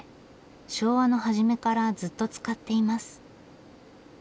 昭和の初めからずっと使っています。